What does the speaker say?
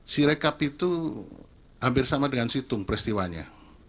sirekap itu hampir sama dengan situng peristiwanya